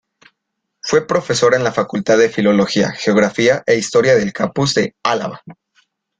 Fue profesora en la Facultad de Filología, Geografía e Historia del campus de Álava.